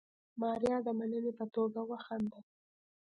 ماريا د مننې په توګه وخندل.